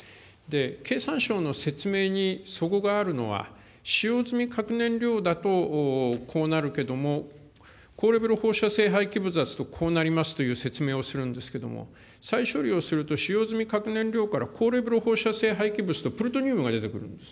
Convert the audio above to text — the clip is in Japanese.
経産省の説明にそごがあるのは、使用済み核燃料だとこうなるけれども、高レベル放射性廃棄物だとこうなりますという説明をするんですけれども、再処理をすると、使用済み核燃料から高レベル放射性廃棄物とプルトニウムが出てくるんです。